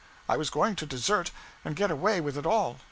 I was going to desert, and get away with it all.